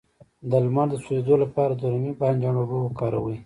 د لمر د سوځیدو لپاره د رومي بانجان اوبه وکاروئ